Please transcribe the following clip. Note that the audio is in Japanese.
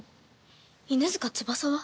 犬塚翼は？